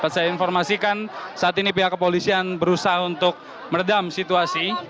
saya informasikan saat ini pihak kepolisian berusaha untuk meredam situasi